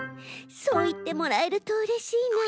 そういってもらえるとうれしいな。